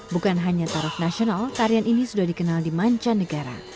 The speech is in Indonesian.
bukan hanya taraf nasional tarian ini sudah dikenal di manca negara